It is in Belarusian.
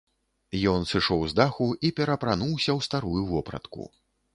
Ён сышоў з даху і пераапрануўся ў старую вопратку.